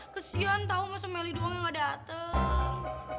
kesian tau mas melly doang yang gak dateng